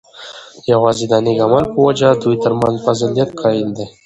یواځی د نیک عمل په وجه د دوی ترمنځ فضیلت قایل دی،